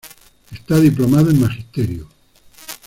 Está diplomado en Magisterio.